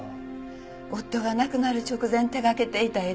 夫が亡くなる直前手掛けていた絵です。